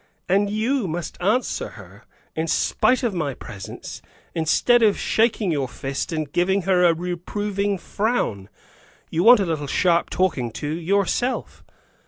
And you must answer her, in spite of my presence, instead of shaking your fist and giving her a reproving frown. You want a little sharp talking to, yourself."